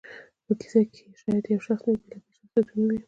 په کیسه کښي شاید یو شخص نه وي، بېلابېل شخصیتونه وي.